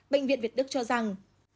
bệnh viện việt đức cho rằng